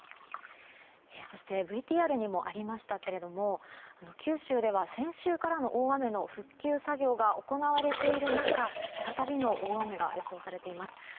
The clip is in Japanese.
そして、ＶＴＲにもありましたが九州では先週からの大雨の復旧作業が行われている中、再びの大雨が予想されています。